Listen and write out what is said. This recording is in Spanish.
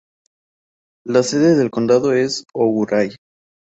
La sede del condado es Ouray.